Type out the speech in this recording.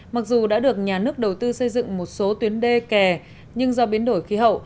mặc dù đã được nhà nước đầu tư xây dựng một số tuyến đê kè nhưng do biến đổi khí hậu